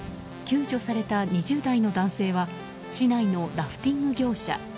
救助された２０代の男性は市内のラフティング業者。